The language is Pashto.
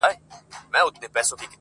• لويي زامې، لویه خېټه پنډ ورنونه -